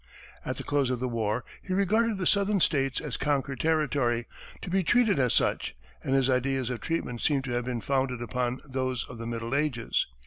At the close of the war, he regarded the southern states as conquered territory, to be treated as such, and his ideas of treatment seem to have been founded upon those of the Middle Ages.